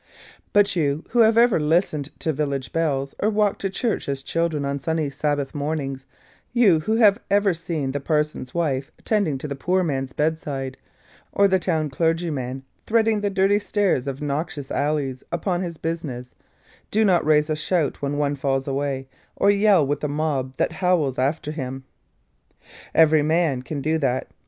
But you who have ever listened to village bells, or walked to church as children on sunny Sabbath mornings; you who have ever seen the parson's wife tending the poor man's bedside; or the town clergyman threading the dirty stairs of noxious alleys upon his business; do not raise a shout when one falls away, or yell with the mob that howls after him. Every man can do that.